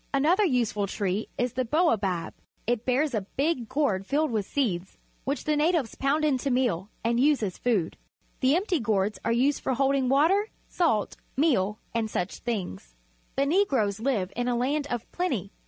Another useful tree is the baobab. It bears a big gourd filled with seeds, which the natives pound into meal and use a.s food. The empty gourds are used for holding water, salt, meal, and such things. The Negroes live in a land of plenty.